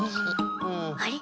あれ？